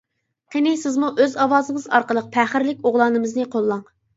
قېنى سىزمۇ ئۆز ئاۋازىڭىز ئارقىلىق پەخىرلىك ئوغلانىمىزنى قوللاڭ!